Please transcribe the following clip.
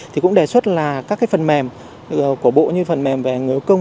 thì cũng đề xuất là các cái phần mềm của bộ như phần mềm về người công